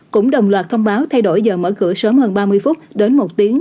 cũng đồng loạt thông báo thay đổi giờ mở cửa sớm hơn ba mươi phút đến một tiếng